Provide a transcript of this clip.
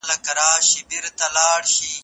ولي زیارکښ کس د تکړه سړي په پرتله برخلیک بدلوي؟